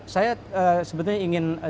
saya sebetulnya ingin